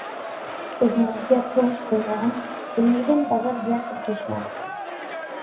ئۆزىڭىزگە تونۇش بولمىغان، بىلمىگەن بازار بىلەن تىركەشمەڭ.